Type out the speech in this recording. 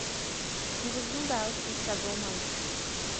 He was ruled out for several months.